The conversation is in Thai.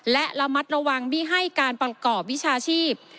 และระมัดระวังไม่ให้การประกอบวิชาชีพ